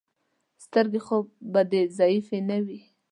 سترګې خو به دې ضعیفې نه وي.